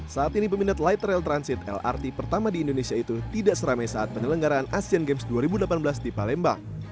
saat ini peminat light rail transit lrt pertama di indonesia itu tidak seramai saat penyelenggaraan asean games dua ribu delapan belas di palembang